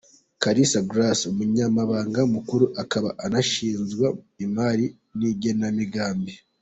Kalisa Grace: Umunyamabanga mukuru akaba anashinzwe imari n’igenamigambi.